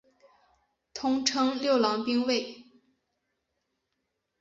通称六郎兵卫。